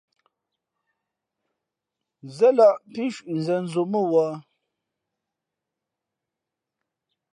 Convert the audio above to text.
Zén lᾱꞌ pí cwǐʼzēn zǒ mά wα̌ ?